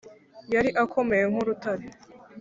yari akomeye nk’urutare